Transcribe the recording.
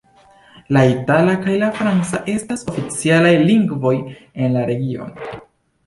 La itala kaj la franca estas oficialaj lingvoj en la regiono.